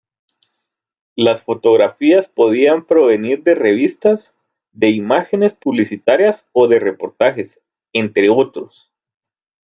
Las fotografías podían provenir de revistas, de imágenes publicitarias o de reportajes, entre otros.